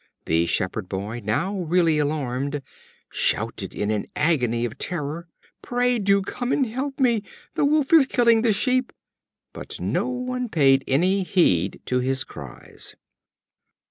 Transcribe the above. The Shepherd boy, now really alarmed, shouted in an agony of terror: "Pray, do come and help me; the Wolf is killing the sheep;" but no one paid any heed to his cries.